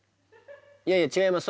いやいや違います。